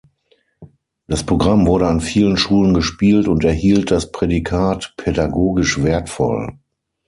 Das Programm wurde an vielen Schulen gespielt und erhielt das Prädikat „pädagogisch wertvoll“.